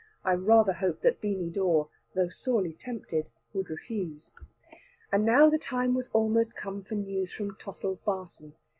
I rather hoped that Beany Dawe, though sorely tempted, would refuse. And now the time was almost come for news from Tossil's Barton.